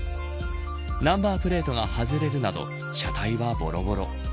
ナンバープレートが外れるなど車体は、ぼろぼろ。